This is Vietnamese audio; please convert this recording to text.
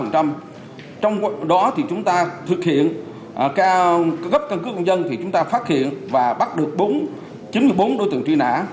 trong đó thì chúng ta thực hiện gấp căn cứ công dân thì chúng ta phát hiện và bắt được chín mươi bốn đối tượng truy nã